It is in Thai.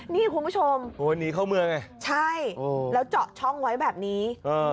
นี่คุณผู้ชมโอ้ยหนีเข้าเมืองไงใช่แล้วเจาะช่องไว้แบบนี้